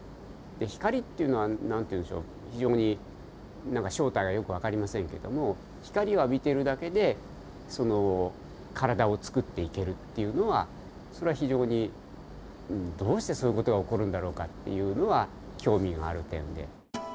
光っていうのは何て言うんでしょう非常に何か正体がよく分かりませんけども光を浴びているだけで体をつくっていけるっていうのはそれは非常にどうしてそういう事が起こるんだろうかっていうのは興味がある点で。